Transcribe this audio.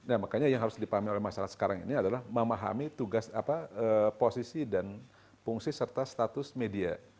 nah makanya yang harus dipahami oleh masyarakat sekarang ini adalah memahami tugas apa posisi dan fungsi serta status media